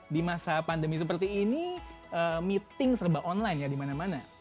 di masa pandemi seperti ini meeting serba online ya di mana mana